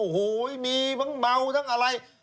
โหยยยยยยมีแมวทั้งอะไร